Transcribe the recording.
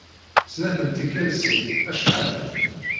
Snat n tikkal sin, acḥal?